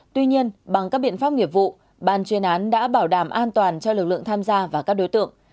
tuy nhiên bằng các biện pháp nghiệp vụ ban chuyên án đã bảo đảm an toàn cho lực lượng tham gia và các đối tượng